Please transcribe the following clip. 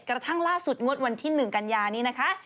กระทั่งล่าสุดงวดวันที่๑กันยานี้นะคะ